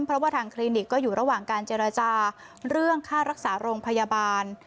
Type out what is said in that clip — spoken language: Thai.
เพราะว่าทางคลินิกก็อยู่ระหว่างการเจรจาเรื่องค่ารักษาโรงพยาบาล